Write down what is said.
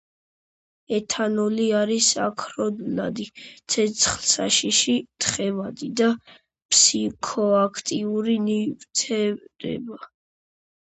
ეთანოლი არის აქროლადი, ცეცხლსაშიში, თხევადი და ფსიქოაქტიური ნივთიერება.